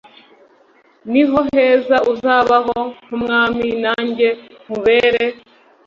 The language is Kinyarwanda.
niho heza uzabaho nkumwami najye nkubere